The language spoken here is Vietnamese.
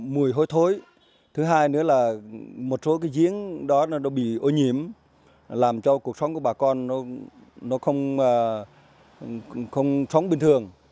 mùi hôi thối thứ hai nữa là một số cái giếng đó nó bị ô nhiễm làm cho cuộc sống của bà con nó không sống bình thường